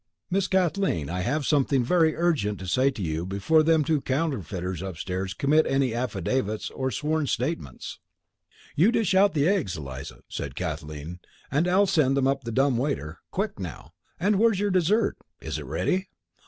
Miss Kathleen, I have something very urgent to say to you before them two counterfeiters upstairs commit any affidavits or sworn statements." "You dish out the eggs, Eliza," said Kathleen, "and I'll send them up the dumb waiter. Quick, now! And where's your dessert? Is it ready?"